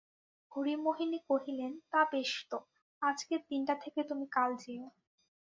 হরিমোহিনী কহিলেন, তা বেশ তো, আজকের দিনটা থেকে তুমি কাল যেয়ো।